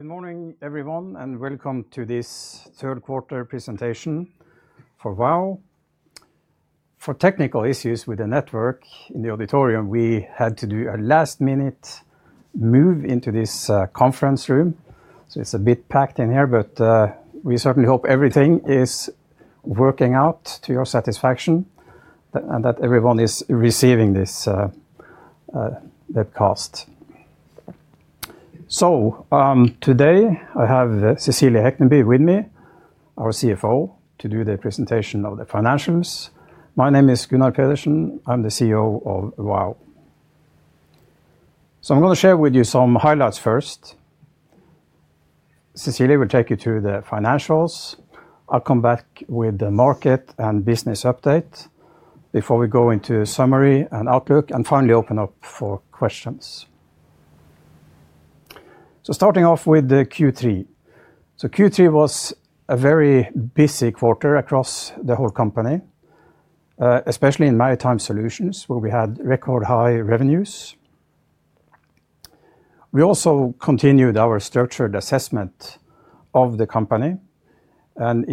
Good morning, everyone, and welcome to this third quarter presentation for Vow. For technical issues with the network in the auditorium, we had to do a last-minute move into this conference room. It is a bit packed in here, but we certainly hope everything is working out to your satisfaction and that everyone is receiving this webcast. Today I have Cecilie Hekneby with me, our CFO, to do the presentation of the financials. My name is Gunnar Pedersen. I am the CEO of Vow. I am going to share with you some highlights first. Cecilie will take you through the financials. I will come back with the market and business update before we go into summary and outlook and finally open up for questions. Starting off with the Q3. Q3 was a very busy quarter across the whole company, especially in Maritime Solutions, where we had record high revenues. We also continued our structured assessment of the company.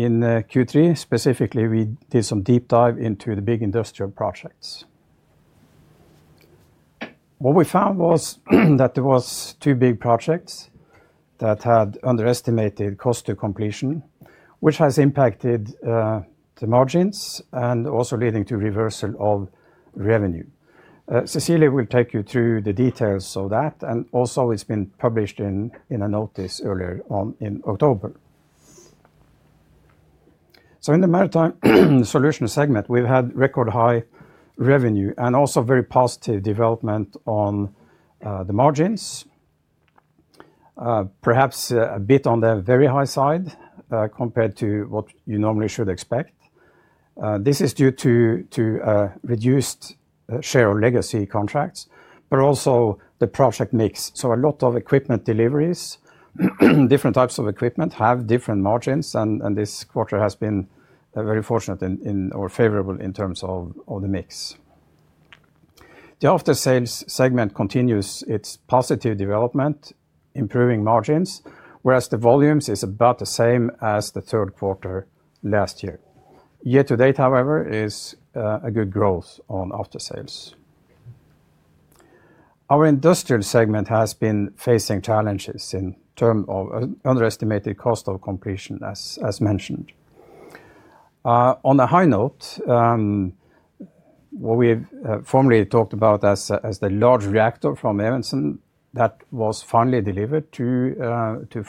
In Q3, specifically, we did some deep dive into the big industrial projects. What we found was that there were two big projects that had underestimated cost to completion, which has impacted the margins and also leading to reversal of revenue. Cecilie will take you through the details of that. It has been published in a notice earlier on in October. In the Maritime Solutions segment, we have had record high revenue and also very positive development on the margins, perhaps a bit on the very high side compared to what you normally should expect. This is due to reduced share of legacy contracts, but also the project mix. A lot of equipment deliveries, different types of equipment have different margins. This quarter has been very fortunate or favorable in terms of the mix. The Aftersales segment continues its positive development, improving margins, whereas the volumes are about the same as the third quarter last year. Year to date, however, is a good growth on Aftersales. Our Industrial segment has been facing challenges in terms of underestimated cost of completion, as mentioned. On a high note, what we've formerly talked about as the large reactor from C. H. Evensen, that was finally delivered to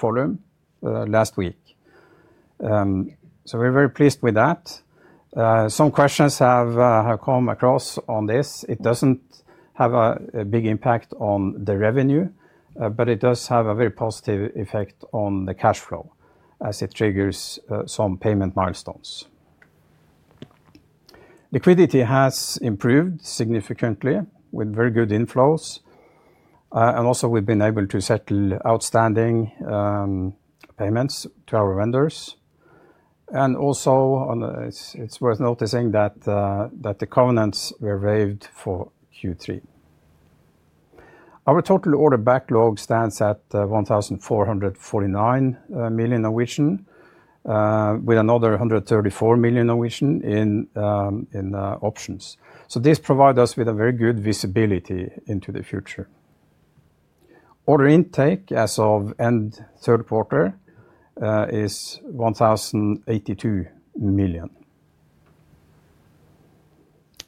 Follum last week. We are very pleased with that. Some questions have come across on this. It does not have a big impact on the revenue, but it does have a very positive effect on the cash flow as it triggers some payment milestones. Liquidity has improved significantly with very good inflows. We have also been able to settle outstanding payments to our vendors. It is worth noticing that the covenants were waived for Q3. Our total order backlog stands at 1,449 million, with another 134 million in options. This provides us with very good visibility into the future. Order intake as of end third quarter is 1,082 million.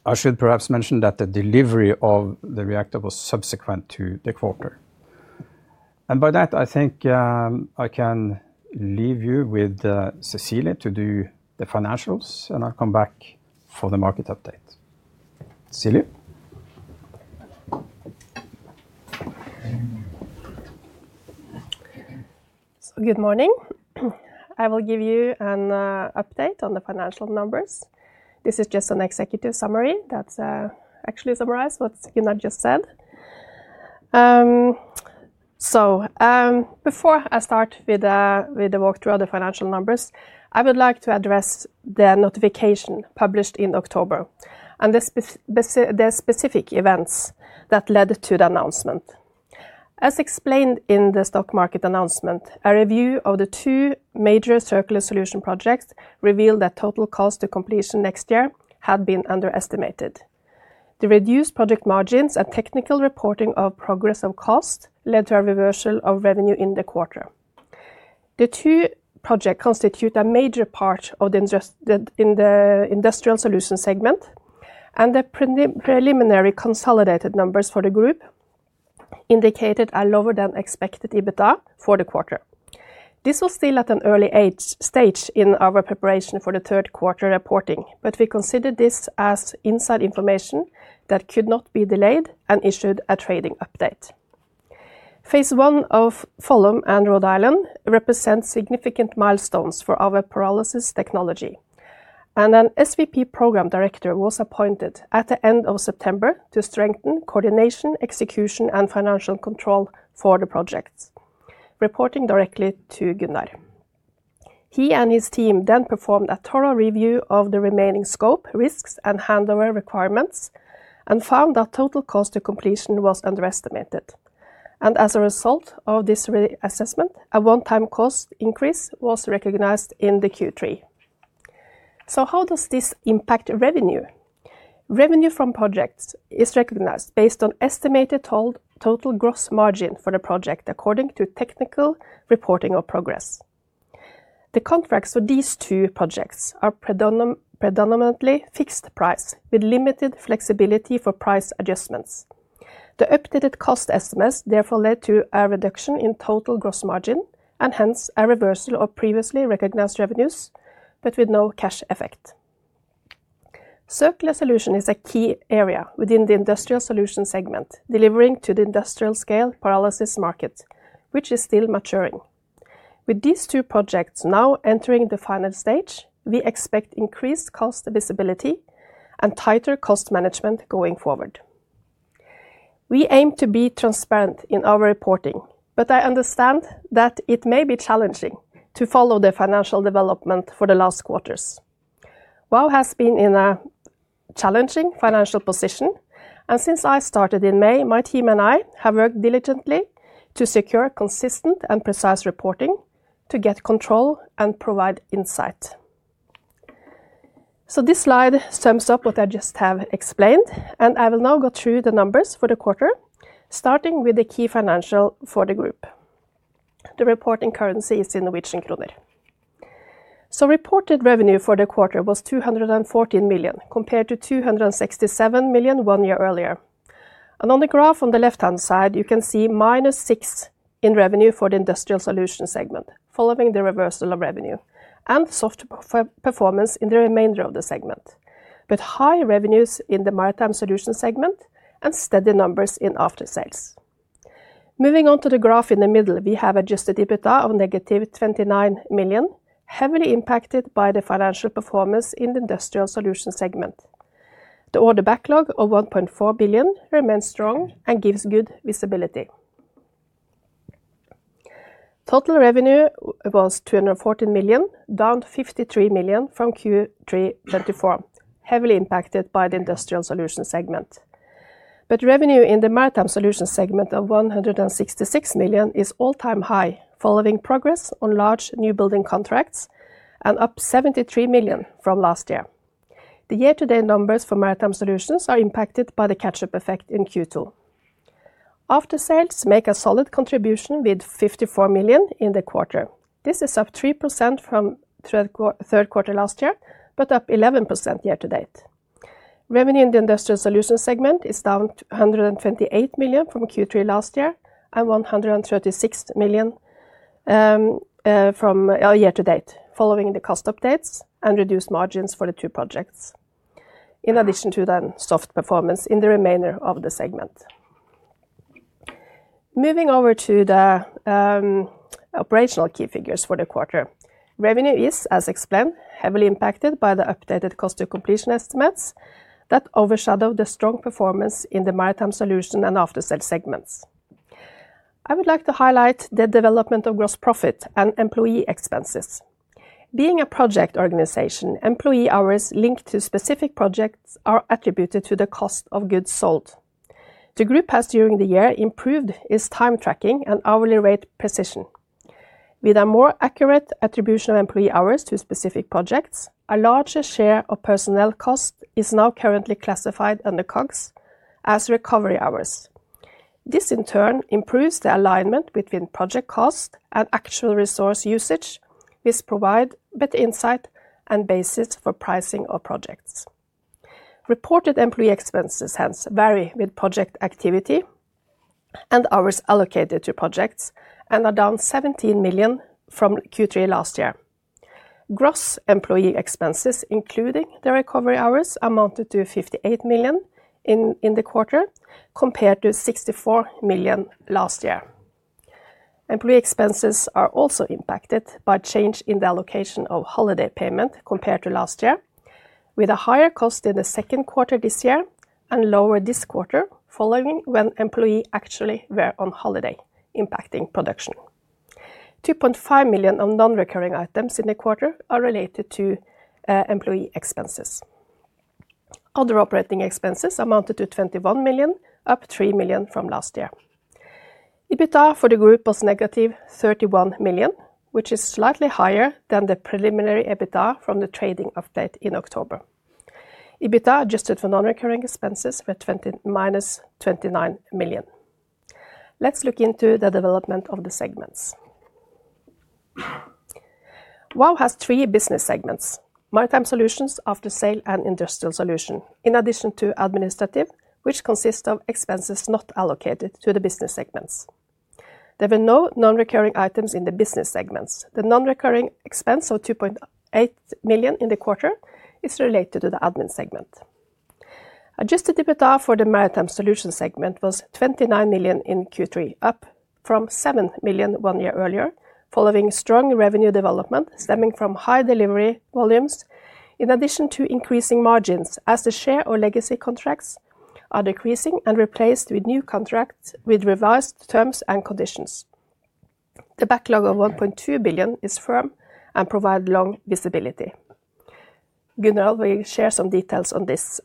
I should perhaps mention that the delivery of the reactor was subsequent to the quarter. By that, I think I can leave you with Cecilie to do the financials, and I'll come back for the market update. Cecilie. Good morning. I will give you an update on the financial numbers. This is just an executive summary that actually summarizes what Gunnar just said. Before I start with the walkthrough of the financial numbers, I would like to address the notification published in October and the specific events that led to the announcement. As explained in the stock market announcement, a review of the two major circular solution projects revealed that total cost to completion next year had been underestimated. The reduced project margins and technical reporting of progressive cost led to a reversal of revenue in the quarter. The two projects constitute a major part of the Industrial Solutions segment, and the preliminary consolidated numbers for the group indicated a lower than expected EBITDA for the quarter. This was still at an early stage in our preparation for the third quarter reporting, but we considered this as inside information that could not be delayed and issued a trading update. Phase I of Follum and Rhode Island represents significant milestones for our pyrolysis technology. An SVP program director was appointed at the end of September to strengthen coordination, execution, and financial control for the projects, reporting directly to Gunnar. He and his team then performed a thorough review of the remaining scope, risks, and handover requirements and found that total cost to completion was underestimated. As a result of this reassessment, a one-time cost increase was recognized in the Q3. How does this impact revenue? Revenue from projects is recognized based on estimated total gross margin for the project according to technical reporting of progress. The contracts for these two projects are predominantly fixed price with limited flexibility for price adjustments. The updated cost estimates therefore led to a reduction in total gross margin and hence a reversal of previously recognized revenues, but with no cash effect. Circular solution is a key area within the Industrial Solutions segment delivering to the industrial scale pyrolysis market, which is still maturing. With these two projects now entering the final stage, we expect increased cost visibility and tighter cost management going forward. We aim to be transparent in our reporting, but I understand that it may be challenging to follow the financial development for the last quarters. Vow has been in a challenging financial position. Since I started in May, my team and I have worked diligently to secure consistent and precise reporting to get control and provide insight. This slide sums up what I just have explained, and I will now go through the numbers for the quarter, starting with the key financial for the group. The reporting currency is in NOK. Reported revenue for the quarter was 214 million compared to 267 million one year earlier. On the graph on the left-hand side, you can see -6 in revenue for the Industrial Solutions segment following the reversal of revenue and soft performance in the remainder of the segment, but high revenues in the Maritime Solutions segment and steady numbers in Aftersales. Moving on to the graph in the middle, we have adjusted EBITDA of -29 million, heavily impacted by the financial performance in the Industrial Solutions segment. The order backlog of 1.4 billion remains strong and gives good visibility. Total revenue was 214 million, down 53 million from Q3 2024, heavily impacted by the Industrial Solutions segment. However, revenue in the Maritime Solutions segment of 166 million is all-time high, following progress on large new building contracts and up 73 million from last year. The year-to-date numbers for Maritime Solutions are impacted by the catch-up effect in Q2. Aftersales make a solid contribution with 54 million in the quarter. This is up 3% from third quarter last year, but up 11% year-to-date. Revenue in the Industrial Solutions segment is down 128 million from Q3 last year and 136 million from year-to-date, following the cost updates and reduced margins for the two projects, in addition to the soft performance in the remainder of the segment. Moving over to the operational key figures for the quarter, revenue is, as explained, heavily impacted by the updated cost to completion estimates that overshadow the strong performance in the Maritime Solutions and Aftersales segments. I would like to highlight the development of gross profit and employee expenses. Being a project organization, employee hours linked to specific projects are attributed to the cost of goods sold. The group has during the year improved its time tracking and hourly rate precision. With a more accurate attribution of employee hours to specific projects, a larger share of personnel cost is now currently classified under COGS as recovery hours. This, in turn, improves the alignment between project cost and actual resource usage, which provides better insight and basis for pricing of projects. Reported employee expenses hence vary with project activity and hours allocated to projects and are down 17 million from Q3 last year. Gross employee expenses, including the recovery hours, amounted to 58 million in the quarter compared to 64 million last year. Employee expenses are also impacted by change in the allocation of holiday payment compared to last year, with a higher cost in the second quarter this year and lower this quarter, following when employees actually were on holiday, impacting production. 2.5 million of non-recurring items in the quarter are related to employee expenses. Other operating expenses amounted to 21 million, up 3 million from last year. EBITDA for the group was -31 million, which is slightly higher than the preliminary EBITDA from the trading update in October. EBITDA adjusted for non-recurring expenses was -29 million. Let's look into the development of the segments. Vow has three business segments: Maritime Solutions, Aftersales, and Industrial Solutions, in addition to administrative, which consists of expenses not allocated to the business segments. There were no non-recurring items in the business segments. The non-recurring expense of 2.8 million in the quarter is related to the admin segment. Adjusted EBITDA for the Maritime Solutions segment was 29 million in Q3, up from 7 million one year earlier, following strong revenue development stemming from high delivery volumes, in addition to increasing margins as the share of legacy contracts are decreasing and replaced with new contracts with revised terms and conditions. The backlog of 1.2 billion is firm and provides long visibility. Gunnar will share some details on this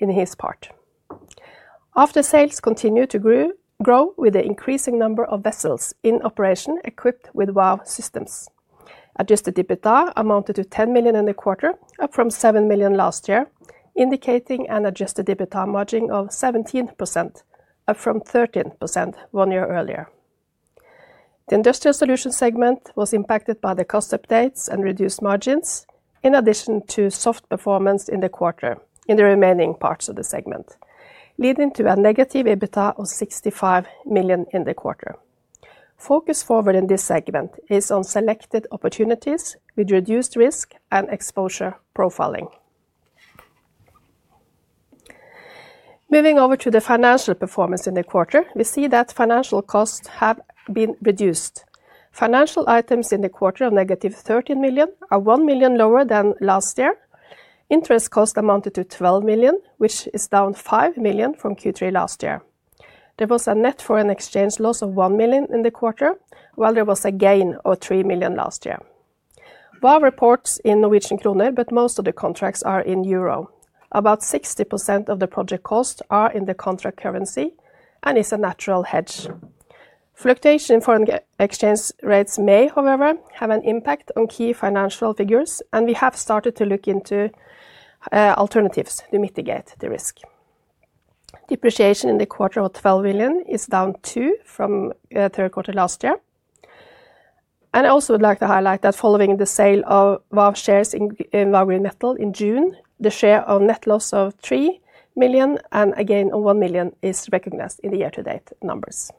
in his part. Aftersales continued to grow with the increasing number of vessels in operation equipped with Vow systems. Adjusted EBITDA amounted to 10 million in the quarter, up from 7 million last year, indicating an adjusted EBITDA margin of 17%, up from 13% one year earlier. The Industrial Solutions segment was impacted by the cost updates and reduced margins, in addition to soft performance in the quarter in the remaining parts of the segment, leading to a negative EBITDA of 65 million in the quarter. Focus forward in this segment is on selected opportunities with reduced risk and exposure profiling. Moving over to the financial performance in the quarter, we see that financial costs have been reduced. Financial items in the quarter of -13 million are 1 million lower than last year. Interest costs amounted to 12 million, which is down 5 million from Q3 last year. There was a net foreign exchange loss of 1 million in the quarter, while there was a gain of 3 million last year. Vow reports in Norwegian krone, but most of the contracts are in Euro. About 60% of the project costs are in the contract currency and is a natural hedge. Fluctuation in foreign exchange rates may, however, have an impact on key financial figures, and we have started to look into alternatives to mitigate the risk. Depreciation in the quarter of 12 million is down 2 million from third quarter last year. I also would like to highlight that following the sale of Vow shares in Vow Green Metals in June, the share of net loss of 3 million and a gain of 1 million is recognized in the year-to-date numbers.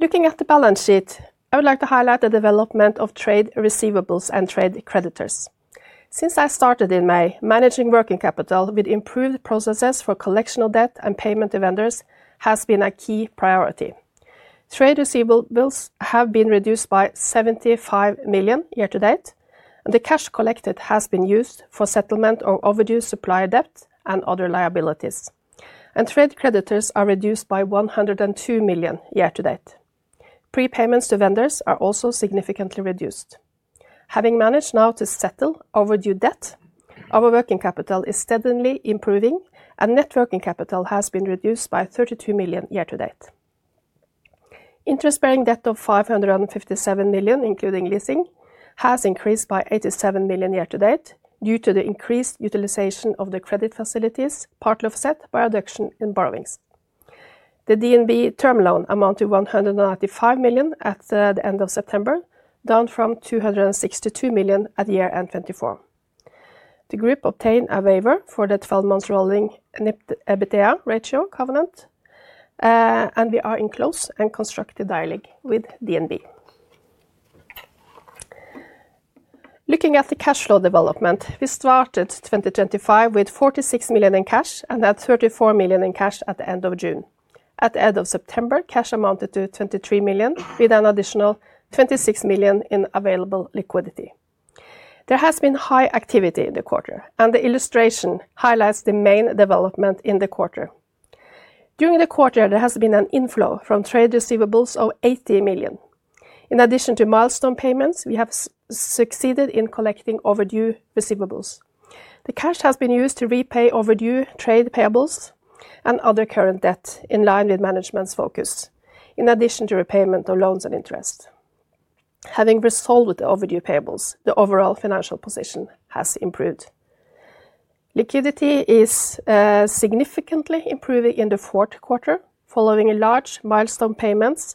Looking at the balance sheet, I would like to highlight the development of trade receivables and trade creditors. Since I started in May, managing working capital with improved processes for collection of debt and payment to vendors has been a key priority. Trade receivables have been reduced by 75 million year-to-date, and the cash collected has been used for settlement of overdue supply debt and other liabilities. Trade creditors are reduced by 102 million year-to-date. Prepayments to vendors are also significantly reduced. Having managed now to settle overdue debt, our working capital is steadily improving, and net working capital has been reduced by 32 million year-to-date. Interest-bearing debt of 557 million, including leasing, has increased by 87 million year-to-date due to the increased utilization of the credit facilities partly offset by reduction in borrowings. The DnB Term Loan amounted to 195 million at the end of September, down from 262 million at year-end 2024. The group obtained a waiver for the 12-month rolling EBITDA ratio covenant, and we are in close and constructive dialogue with DnB. Looking at the cash flow development, we started 2024 with 46 million in cash and had 34 million in cash at the end of June. At the end of September, cash amounted to 23 million, with an additional 26 million in available liquidity. There has been high activity in the quarter, and the illustration highlights the main development in the quarter. During the quarter, there has been an inflow from trade receivables of 80 million. In addition to milestone payments, we have succeeded in collecting overdue receivables. The cash has been used to repay overdue trade payables and other current debt in line with management's focus, in addition to repayment of loans and interest. Having resolved the overdue payables, the overall financial position has improved. Liquidity is significantly improving in the fourth quarter, following large milestone payments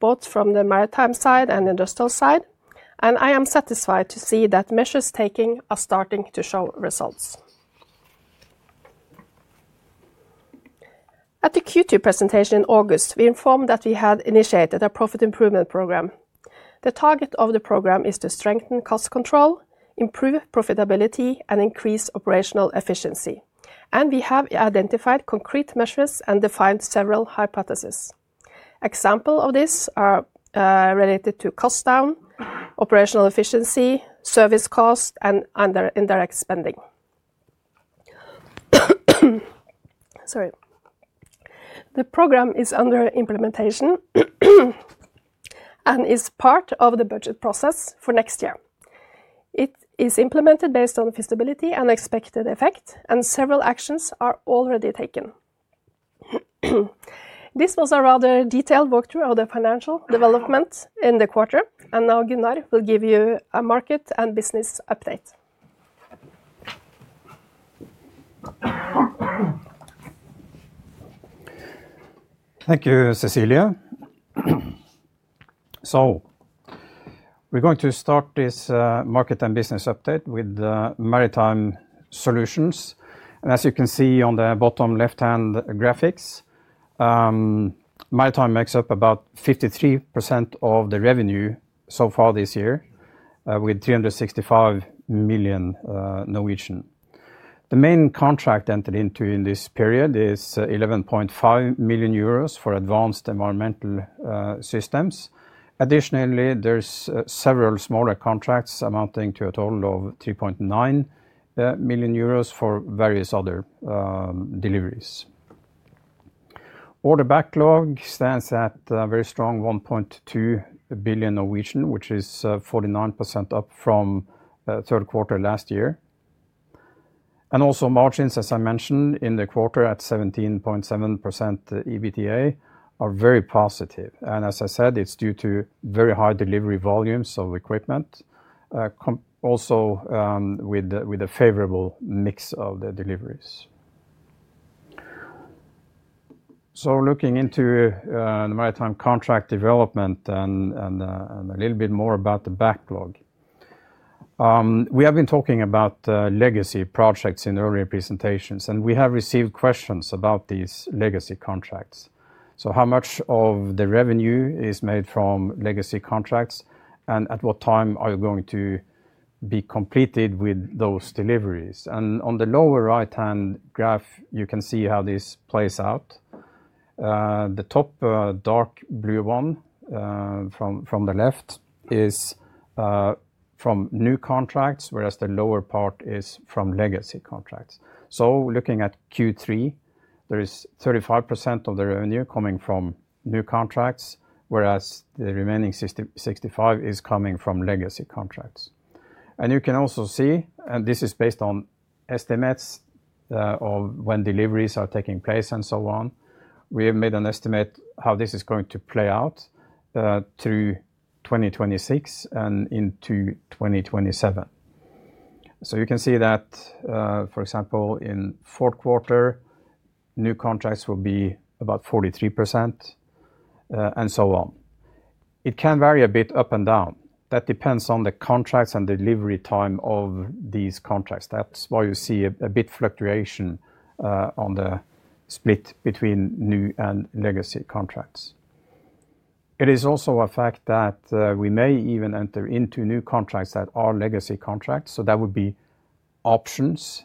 both from the Maritime side and Industrial side, and I am satisfied to see that measures taken are starting to show results. At the Q2 presentation in August, we informed that we had initiated a profit improvement program. The target of the program is to strengthen cost control, improve profitability, and increase operational efficiency. We have identified concrete measures and defined several hypotheses. Examples of this are related to cost down, operational efficiency, service cost, and indirect spending. Sorry. The program is under implementation and is part of the budget process for next year. It is implemented based on feasibility and expected effect, and several actions are already taken. This was a rather detailed walkthrough of the financial development in the quarter, and now Gunnar will give you a market and business update. Thank you, Cecilie. We are going to start this market and business update with Maritime Solutions. As you can see on the bottom left-hand graphics, Maritime makes up about 53% of the revenue so far this year, with 365 million. The main contract entered into in this period is 11.5 million euros for advanced environmental systems. Additionally, there are several smaller contracts amounting to a total of 3.9 million euros for various other deliveries. Order backlog stands at a very strong 1.2 billion, which is 49% up from third quarter last year. Also, margins, as I mentioned, in the quarter at 17.7% EBITDA are very positive. As I said, it's due to very high delivery volumes of equipment, also with a favorable mix of the deliveries. Looking into the Maritime contract development and a little bit more about the backlog, we have been talking about legacy projects in earlier presentations, and we have received questions about these legacy contracts. How much of the revenue is made from legacy contracts, and at what time are you going to be completed with those deliveries? On the lower right-hand graph, you can see how this plays out. The top dark blue one from the left is from new contracts, whereas the lower part is from legacy contracts. Looking at Q3, there is 35% of the revenue coming from new contracts, whereas the remaining 65% is coming from legacy contracts. You can also see, and this is based on estimates of when deliveries are taking place and so on, we have made an estimate how this is going to play out through 2026 and into 2027. You can see that, for example, in fourth quarter, new contracts will be about 43% and so on. It can vary a bit up and down. That depends on the contracts and delivery time of these contracts. That is why you see a bit of fluctuation on the split between new and legacy contracts. It is also a fact that we may even enter into new contracts that are legacy contracts. That would be options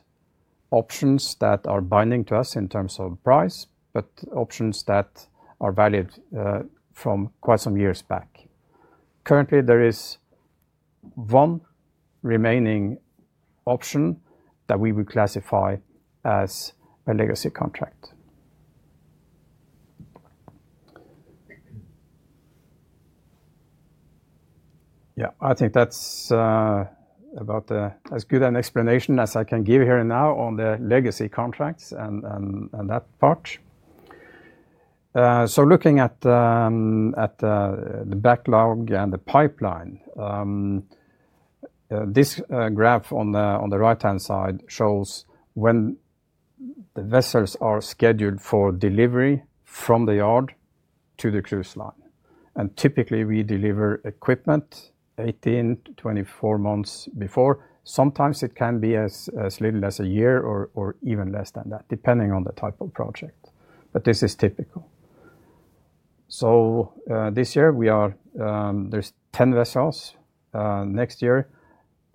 that are binding to us in terms of price, but options that are valued from quite some years back. Currently, there is one remaining option that we would classify as a legacy contract. Yeah, I think that's about as good an explanation as I can give here and now on the legacy contracts and that part. Looking at the backlog and the pipeline, this graph on the right-hand side shows when the vessels are scheduled for delivery from the yard to the cruise line. Typically, we deliver equipment 18 months-24 months before. Sometimes it can be as little as a year or even less than that, depending on the type of project, but this is typical. This year, there are 10 vessels. Next year,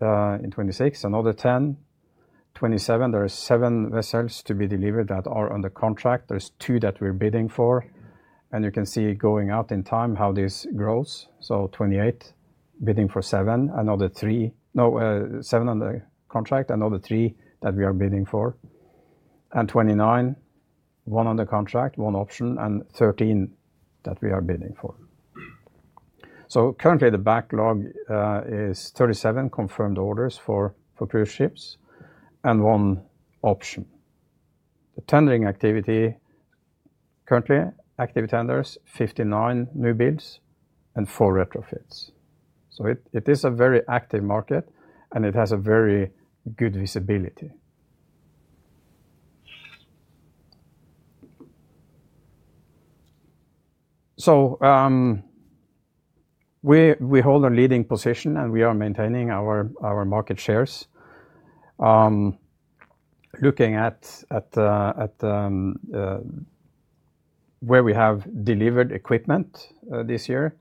in 2026, another 10. In 2027, there are 7 vessels to be delivered that are under contract. There are 2 that we're bidding for. You can see going out in time how this grows. In 2028, bidding for seven, another three, no, seven under contract, another three that we are bidding for. Twenty-nine, one under contract, one option, and 13 that we are bidding for. Currently, the backlog is 37 confirmed orders for cruise ships and one option. The tendering activity, currently, active tenders, 59 new bids, and four retrofits. It is a very active market, and it has very good visibility. We hold a leading position, and we are maintaining our market shares. Looking at where we have delivered equipment this year,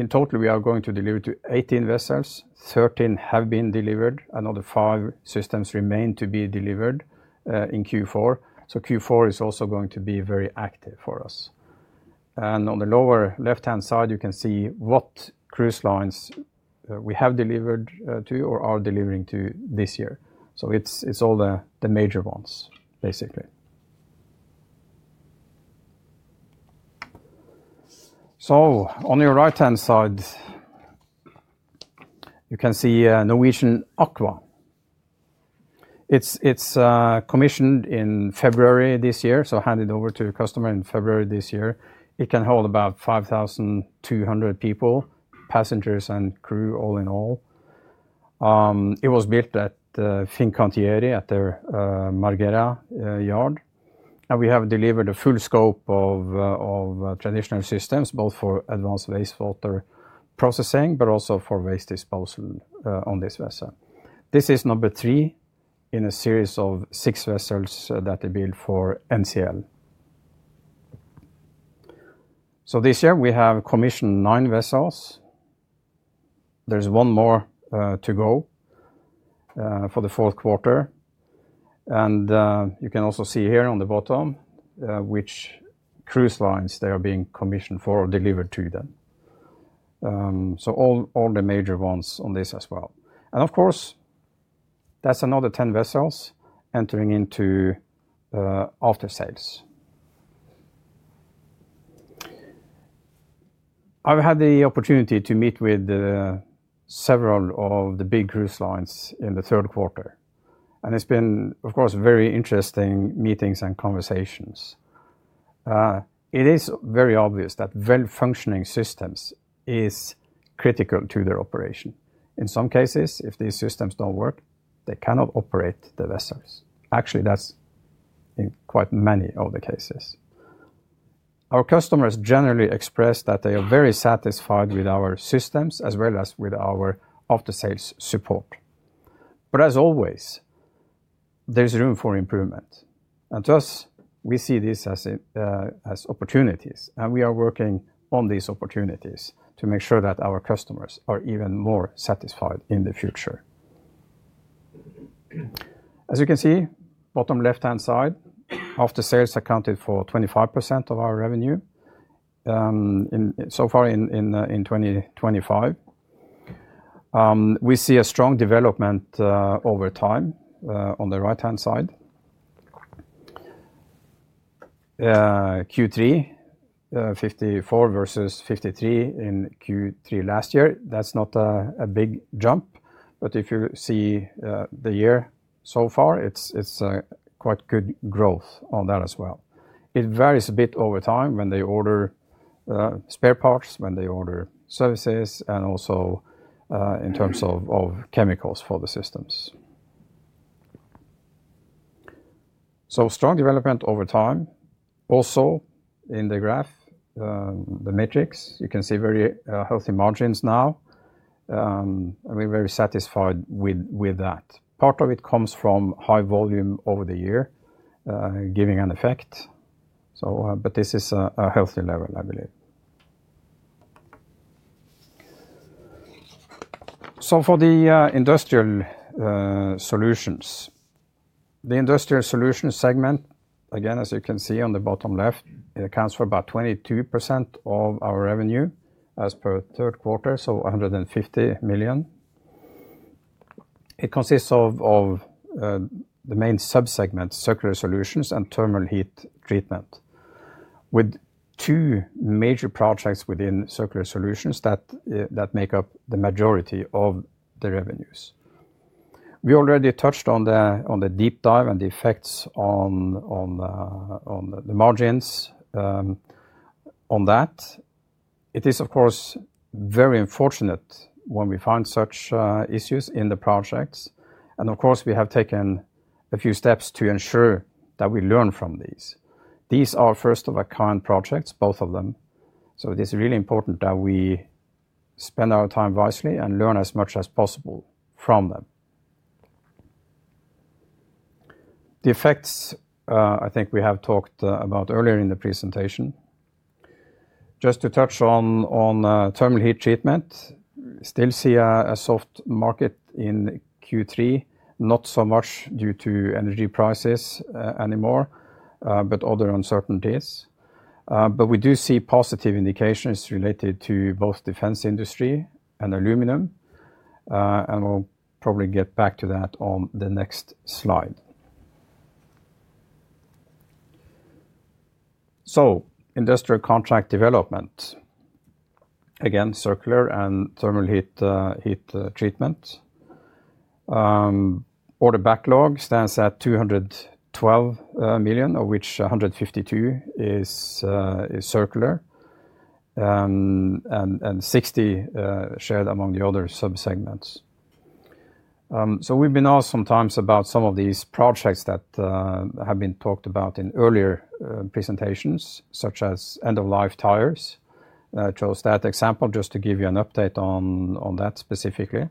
in total, we are going to deliver to 18 vessels. Thirteen have been delivered. Another five systems remain to be delivered in Q4. Q4 is also going to be very active for us. On the lower left-hand side, you can see what cruise lines we have delivered to or are delivering to this year. It is all the major ones, basically. On your right-hand side, you can see Norwegian Aqua. It's commissioned in February this year, so handed over to a customer in February this year. It can hold about 5,200 people, passengers and crew all in all. It was built at Fincantieri at their Marghera yard. We have delivered a full scope of traditional systems, both for advanced wastewater processing, but also for waste disposal on this vessel. This is number three in a series of six vessels that are built for NCL. This year, we have commissioned nine vessels. There's one more to go for the fourth quarter. You can also see here on the bottom which cruise lines they are being commissioned for or delivered to them. All the major ones on this as well. Of course, that's another 10 vessels entering into Aftersales. I've had the opportunity to meet with several of the big cruise lines in the third quarter. It has been, of course, very interesting meetings and conversations. It is very obvious that well-functioning systems are critical to their operation. In some cases, if these systems do not work, they cannot operate the vessels. Actually, that is in quite many of the cases. Our customers generally express that they are very satisfied with our systems as well as with our Aftersales support. As always, there is room for improvement. To us, we see this as opportunities. We are working on these opportunities to make sure that our customers are even more satisfied in the future. As you can see, bottom left-hand side, Aftersales accounted for 25% of our revenue so far in 2025. We see a strong development over time on the right-hand side. Q3, 54 versus 53 in Q3 last year. That is not a big jump. If you see the year so far, it's quite good growth on that as well. It varies a bit over time when they order spare parts, when they order services, and also in terms of chemicals for the systems. Strong development over time. Also, in the graph, the metrics, you can see very healthy margins now. We're very satisfied with that. Part of it comes from high volume over the year, giving an effect. This is a healthy level, I believe. For the Industrial Solutions segment, again, as you can see on the bottom left, it accounts for about 22% of our revenue as per third quarter, so 150 million. It consists of the main sub-segment, Circular Solutions and Thermal Heat Treatment, with two major projects within Circular Solutions that make up the majority of the revenues. We already touched on the deep dive and the effects on the margins on that. It is, of course, very unfortunate when we find such issues in the projects. Of course, we have taken a few steps to ensure that we learn from these. These are first-of-a-kind projects, both of them. It is really important that we spend our time wisely and learn as much as possible from them. The effects, I think we have talked about earlier in the presentation. Just to touch on Thermal Heat Treatment, we still see a soft market in Q3, not so much due to energy prices anymore, but other uncertainties. We do see positive indications related to both defense industry and aluminum. We'll probably get back to that on the next slide. Industrial contract development, again, Circular and Thermal Heat Treatment. Order backlog stands at 212 million, of which 152 million is circular and 60 million shared among the other sub-segments. We've been asked sometimes about some of these projects that have been talked about in earlier presentations, such as end-of-life tires. I chose that example just to give you an update on that specifically.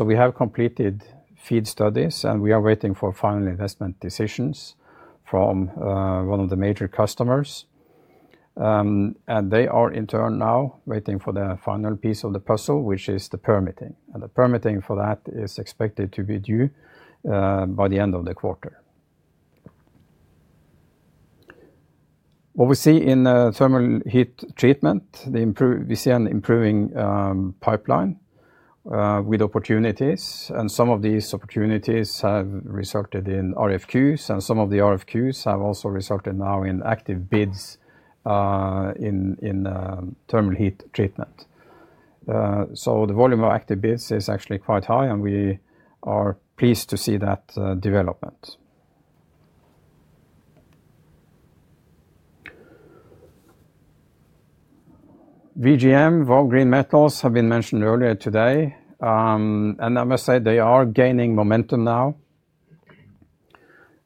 We have completed feed studies, and we are waiting for final investment decisions from one of the major customers. They are, in turn, now waiting for the final piece of the puzzle, which is the permitting. The permitting for that is expected to be due by the end of the quarter. What we see in Thermal Heat Treatment, we see an improving pipeline with opportunities. Some of these opportunities have resulted in RFQs. Some of the RFQs have also resulted now in active bids in Thermal Heat Treatment. The volume of active bids is actually quite high, and we are pleased to see that development. VGM, Vow Green Metals, have been mentioned earlier today. I must say they are gaining momentum now.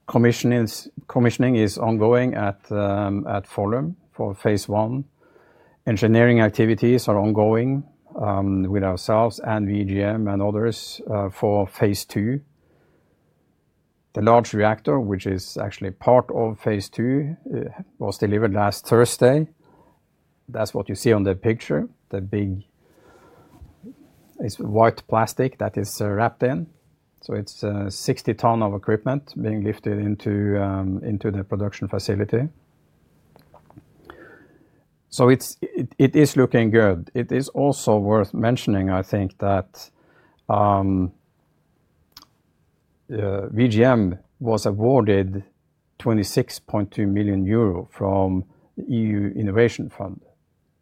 Commissioning is ongoing at Follum for phase I. Engineering activities are ongoing with ourselves and VGM and others for phase II. The large reactor, which is actually part of phase II, was delivered last Thursday. That is what you see on the picture. The big is white plastic that it is wrapped in. It is 60 tons of equipment being lifted into the production facility. It is looking good. It is also worth mentioning, I think, that VGM was awarded 26.2 million euro from the EU Innovation Fund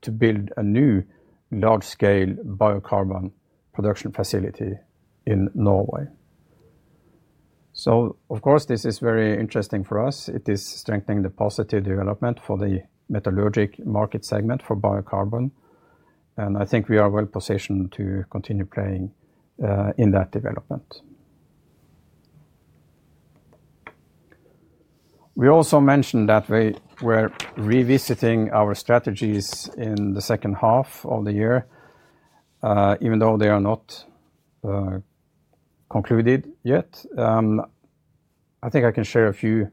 to build a new large-scale biocarbon production facility in Norway. Of course, this is very interesting for us. It is strengthening the positive development for the metallurgic market segment for biocarbon. I think we are well positioned to continue playing in that development. We also mentioned that we're revisiting our strategies in the second half of the year, even though they are not concluded yet. I think I can share a few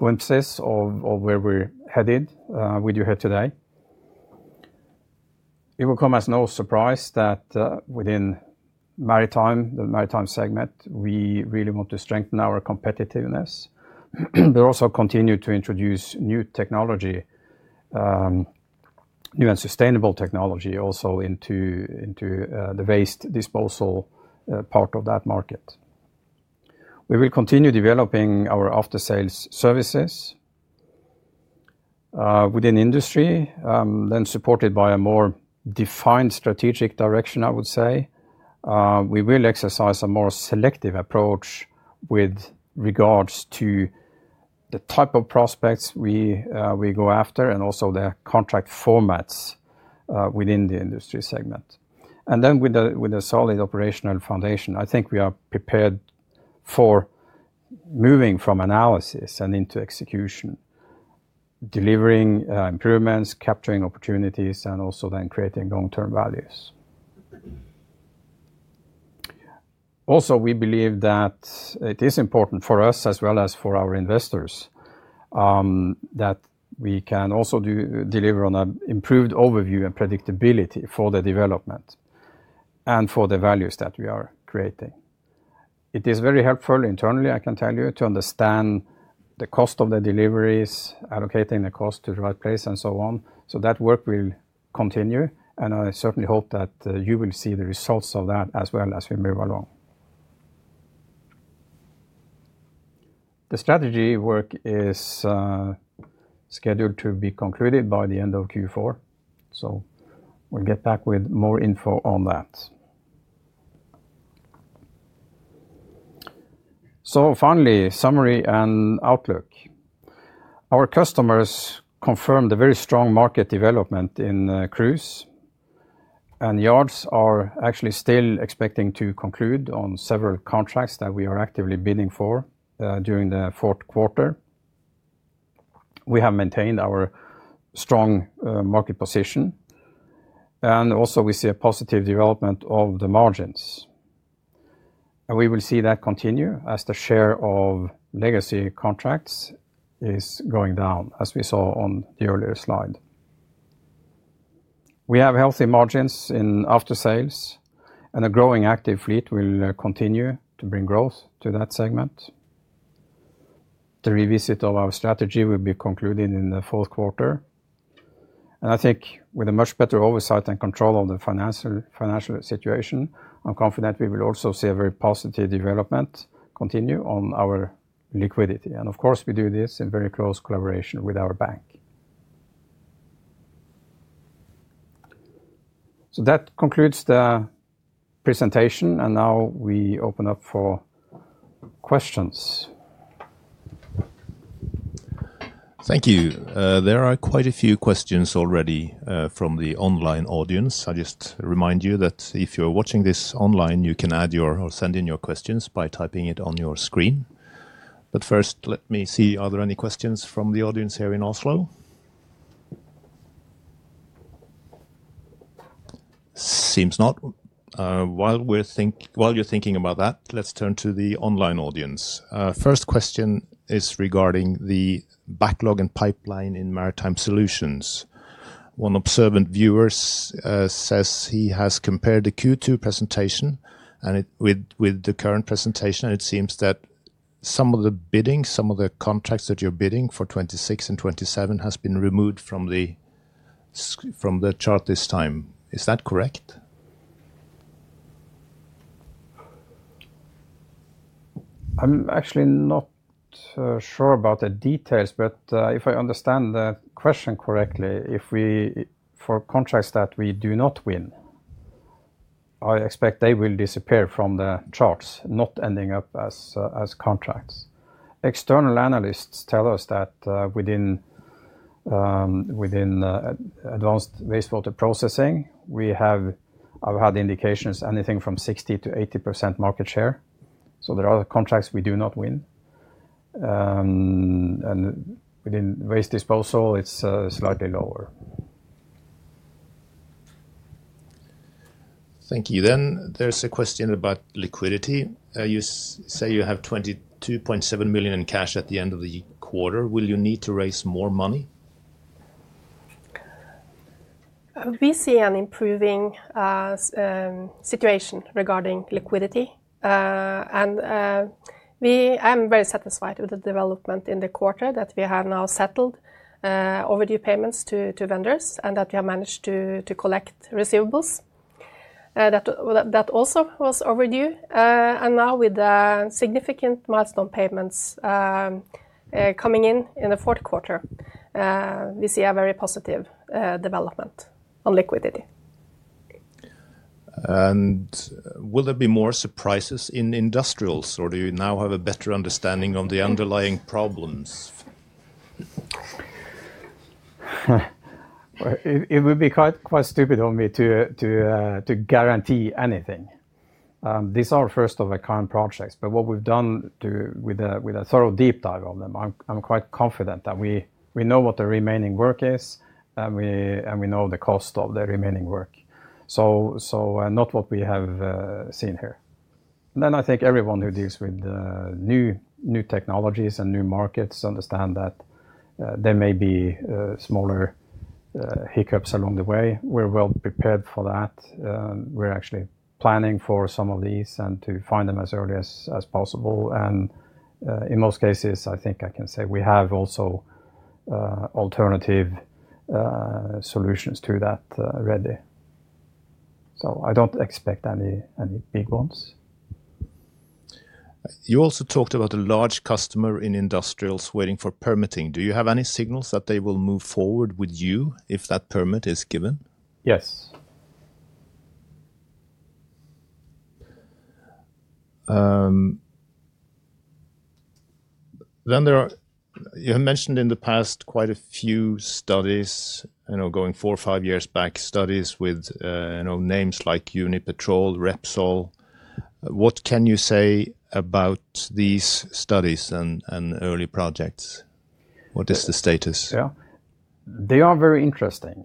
glimpses of where we're headed with you here today. It will come as no surprise that within Maritime, the Maritime segment, we really want to strengthen our competitiveness, but also continue to introduce new technology, new and sustainable technology also into the waste disposal part of that market. We will continue developing our Aftersales services within industry, then supported by a more defined strategic direction, I would say. We will exercise a more selective approach with regards to the type of prospects we go after and also the contract formats within the Industry segment. With a solid operational foundation, I think we are prepared for moving from analysis and into execution, delivering improvements, capturing opportunities, and also then creating long-term values. Also, we believe that it is important for us as well as for our investors that we can also deliver on an improved overview and predictability for the development and for the values that we are creating. It is very helpful internally, I can tell you, to understand the cost of the deliveries, allocating the cost to the right place and so on. That work will continue. I certainly hope that you will see the results of that as well as we move along. The strategy work is scheduled to be concluded by the end of Q4. We will get back with more info on that. Finally, summary and outlook. Our customers confirmed a very strong market development in cruise. Yards are actually still expecting to conclude on several contracts that we are actively bidding for during the fourth quarter. We have maintained our strong market position. We also see a positive development of the margins. We will see that continue as the share of legacy contracts is going down, as we saw on the earlier slide. We have healthy margins in Aftersales, and a growing active fleet will continue to bring growth to that segment. The revisit of our strategy will be concluded in the fourth quarter. I think with a much better oversight and control of the financial situation, I'm confident we will also see a very positive development continue on our liquidity. Of course, we do this in very close collaboration with our bank. That concludes the presentation. Now we open up for questions. Thank you. There are quite a few questions already from the online audience. I just remind you that if you're watching this online, you can add your or send in your questions by typing it on your screen. First, let me see, are there any questions from the audience here in Oslo? Seems not. While you're thinking about that, let's turn to the online audience. First question is regarding the backlog and pipeline in Maritime Solutions. One observant viewer says he has compared the Q2 presentation with the current presentation, and it seems that some of the bidding, some of the contracts that you're bidding for 2026 and 2027, has been removed from the chart this time. Is that correct? I'm actually not sure about the details, but if I understand the question correctly, for contracts that we do not win, I expect they will disappear from the charts, not ending up as contracts. External analysts tell us that within advanced wastewater processing, we have had indications of anything from 60%-80% market share. There are contracts we do not win. Within waste disposal, it's slightly lower. Thank you. There is a question about liquidity. You say you have 22.7 million in cash at the end of the quarter. Will you need to raise more money? We see an improving situation regarding liquidity. I'm very satisfied with the development in the quarter that we have now settled overdue payments to vendors and that we have managed to collect receivables. That also was overdue. Now with significant milestone payments coming in in the fourth quarter, we see a very positive development on liquidity. Will there be more surprises in Industrials, or do you now have a better understanding of the underlying problems? It would be quite stupid of me to guarantee anything. These are first-of-a-kind projects. What we've done with a thorough deep dive of them, I'm quite confident that we know what the remaining work is, and we know the cost of the remaining work. Not what we have seen here. I think everyone who deals with new technologies and new markets understand that there may be smaller hiccups along the way. We're well prepared for that. We're actually planning for some of these and to find them as early as possible. In most cases, I think I can say we have also alternative solutions to that ready. I do not expect any big ones. You also talked about a large customer in Industrials waiting for permitting. Do you have any signals that they will move forward with you if that permit is given? Yes. You have mentioned in the past quite a few studies, going four or five years back, studies with names like Unipetrol, Repsol. What can you say about these studies and early projects? What is the status? Yeah. They are very interesting,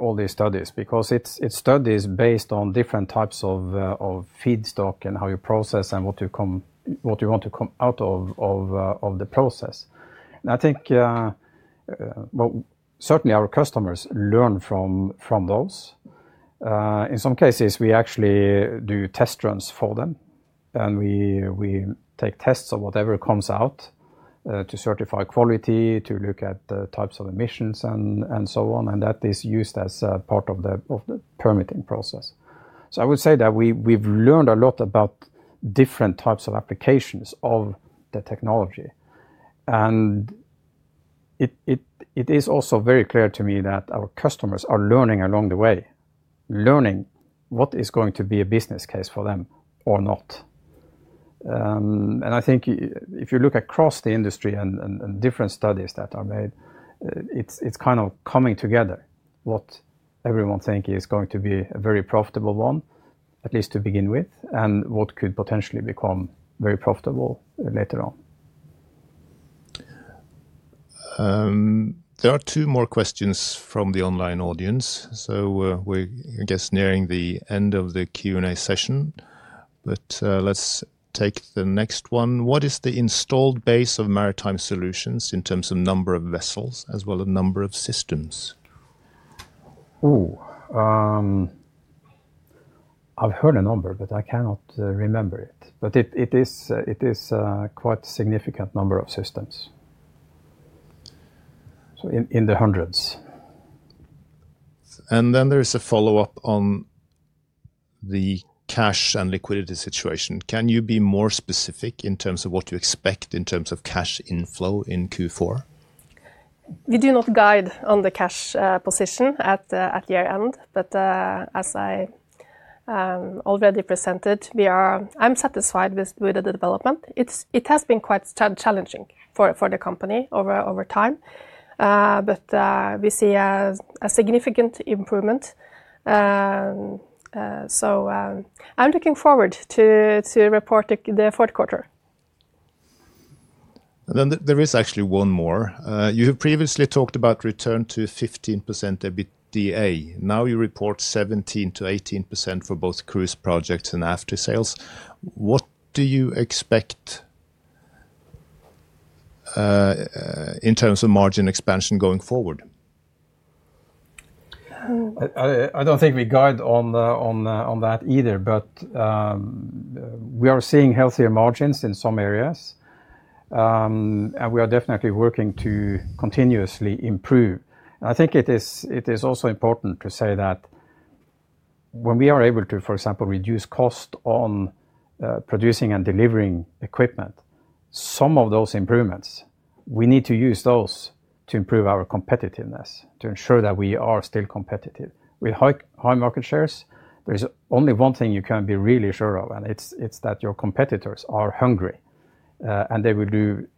all these studies, because it is studies based on different types of feedstock and how you process and what you want to come out of the process. I think certainly our customers learn from those. In some cases, we actually do test runs for them. We take tests of whatever comes out to certify quality, to look at types of emissions and so on. That is used as part of the permitting process. I would say that we've learned a lot about different types of applications of the technology. It is also very clear to me that our customers are learning along the way, learning what is going to be a business case for them or not. I think if you look across the industry and different studies that are made, it's kind of coming together what everyone thinks is going to be a very profitable one, at least to begin with, and what could potentially become very profitable later on. There are two more questions from the online audience. We're, I guess, nearing the end of the Q&A session. Let's take the next one. What is the installed base of Maritime Solutions in terms of number of vessels as well as number of systems? Ooh. I've heard a number, but I cannot remember it. But it is quite a significant number of systems, in the hundreds. And then there's a follow-up on the cash and liquidity situation. Can you be more specific in terms of what you expect in terms of cash inflow in Q4? We do not guide on the cash position at year-end. But as I already presented, I'm satisfied with the development. It has been quite challenging for the company over time. But we see a significant improvement. So I'm looking forward to reporting the fourth quarter. Then there is actually one more. You have previously talked about return to 15% EBITDA. Now you report 17%-18% for both cruise projects and Aftersales. What do you expect in terms of margin expansion going forward? I do not think we guide on that either. We are seeing healthier margins in some areas. We are definitely working to continuously improve. I think it is also important to say that when we are able to, for example, reduce cost on producing and delivering equipment, some of those improvements, we need to use those to improve our competitiveness, to ensure that we are still competitive. With high market shares, there is only one thing you can be really sure of, and it is that your competitors are hungry. They will do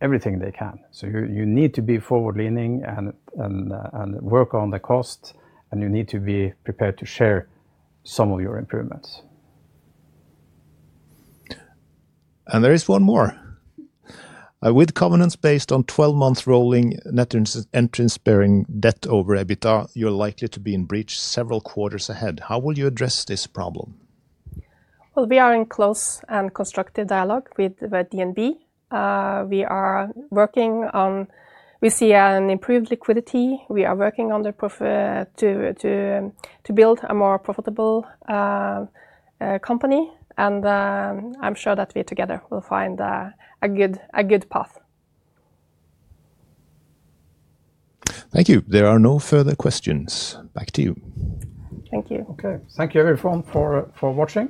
everything they can. You need to be forward-leaning and work on the cost. You need to be prepared to share some of your improvements. There is one more. With covenants based on 12-month rolling net interest bearing debt over EBITDA, you're likely to be in breach several quarters ahead. How will you address this problem? We are in close and constructive dialogue with DnB. We are working on, we see an improved liquidity. We are working on the to build a more profitable company. I'm sure that we together will find a good path. Thank you. There are no further questions. Back to you. Thank you. Okay. Thank you, everyone, for watching.